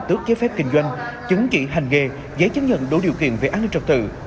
tước giấy phép kinh doanh chứng chỉ hành nghề giấy chứng nhận đủ điều kiện về an ninh trật tự